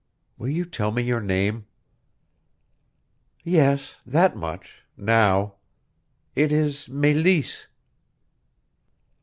Will you tell me your name?" "Yes that much now. It is Meleese."